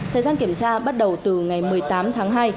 thời gian kiểm tra bắt đầu từ ngày một mươi tám tháng hai